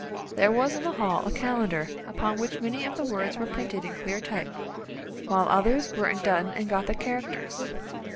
There was in the hall a calendar upon which many of the words were printed in clear type, while others were done in Gothic characters.